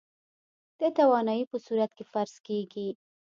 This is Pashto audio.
د توانايي په صورت کې فرض کېږي.